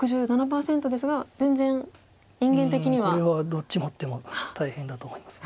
これはどっち持っても大変だと思います。